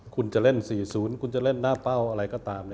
คุณจะเล่น๔๐คุณจะเล่นหน้าเป้าอะไรก็ตาม